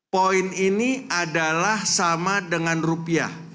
poin ini adalah sama dengan rupiah